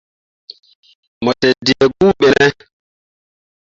Mo te dǝǝ guu ɓe ne ?